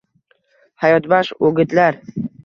Hayotbaxsh o‘gitlar.